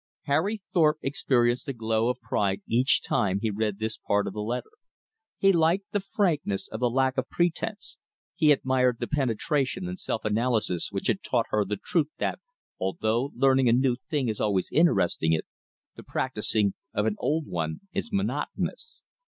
Harry Thorpe experienced a glow of pride each time he read this part of the letter. He liked the frankness of the lack of pretence; he admired the penetration and self analysis which had taught her the truth that, although learning a new thing is always interesting, the practising of an old one is monotonous.